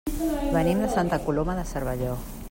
Venim de Santa Coloma de Cervelló.